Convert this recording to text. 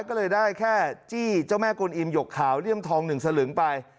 คนร้ายก็เลยได้แค่จี้เจ้าแม่กลอิมหยกข่าวเลี่ยงทองหนึ่งสลึงไป